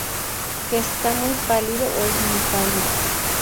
Que está muy pálido o es muy pálido.